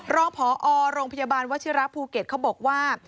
รองพอโรงพยาบาลวชิระภูเก็ตเขาบอกว่า